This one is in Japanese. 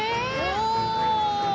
お。